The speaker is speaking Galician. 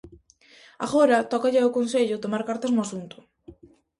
Agora tócalle ao concello tomar cartas no asunto.